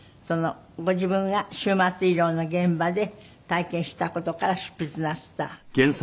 ご自分が終末医療の現場で体験した事から執筆なすったようなご本ですよね。